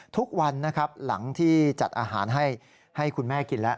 ทุกวันนะครับหลังที่จัดอาหารให้คุณแม่กินแล้ว